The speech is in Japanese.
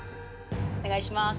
お願いします